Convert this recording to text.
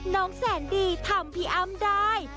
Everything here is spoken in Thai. น้องแสนดีทำพี่อ้ำได้